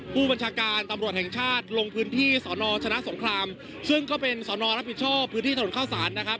ผู้บัญชาการตำรวจแห่งชาติลงพื้นที่สอนอชนะสงครามซึ่งก็เป็นสอนอรับผิดชอบพื้นที่ถนนข้าวสารนะครับ